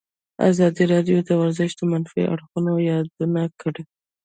ازادي راډیو د ورزش د منفي اړخونو یادونه کړې.